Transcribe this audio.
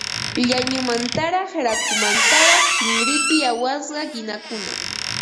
Llañumantaraq rakukamantaraq sinrinpi awasqa qinakuna